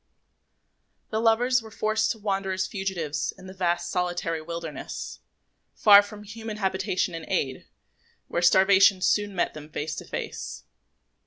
The lovers now were forced to wander as fugitives in a vast solitary wilderness, far from human habitation and aid, and where starvation soon met them face to face.